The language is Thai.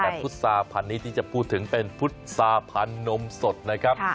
แต่พุษาพันธุ์นี้ที่จะพูดถึงเป็นพุษาพันธ์นมสดนะครับ